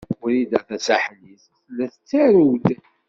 Wrida Tasaḥlit tella tettarew-d.